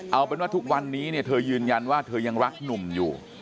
เอาเป็นว่าทุกวันนี้เนี่ยเธอยืนยันว่าเธอยังรักหนุ่มอยู่